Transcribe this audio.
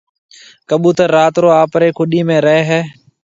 ڪٻُوتر رات رو آپرِي کُوڏِي ۾ رهيَ هيَ۔